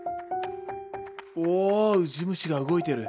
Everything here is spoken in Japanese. おウジ虫が動いてる。